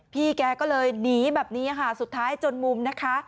พี่แกก็เลยหนีแบบนี้ค่ะสุดท้ายจนมุมนะคะ